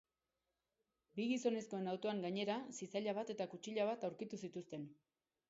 Bi gizonezkoen autoan, gainera, zizaila bat eta kutxila bat aurkitu zituzten.